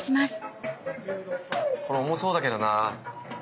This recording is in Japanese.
これ重そうだけどな。